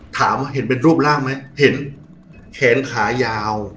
ถามว่าเห็นเป็นรูปร่างไหมเห็นแขนขายาว